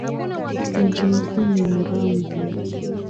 Mji mkuu ni Muramvya.